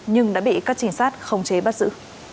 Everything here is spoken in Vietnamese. nhưng đã bị các trinh sát khống chế bắt giữ